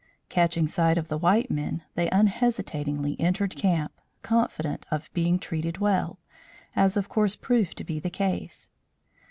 Catching sight of the white men, they unhesitatingly entered camp, confident of being treated well, as of course proved to be the case.